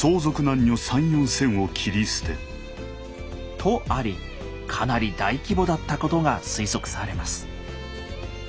とありかなり大規模だったことが推測されます。